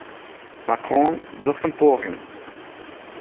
Macron docht in poaging